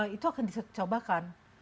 jadi dia akan masuk di situ itu akan dicobakan